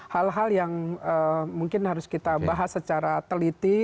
hal hal yang mungkin harus kita bahas secara teliti